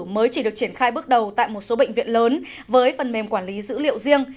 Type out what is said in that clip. mới chỉ được triển khai bước đầu tại một số bệnh viện lớn với phần mềm quản lý dữ liệu riêng